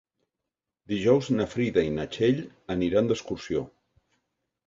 Dijous na Frida i na Txell aniran d'excursió.